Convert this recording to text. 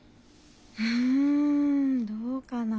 うんどうかな。